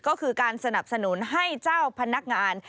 ก็คือการสนับสนุนให้เจ้าพนักงาน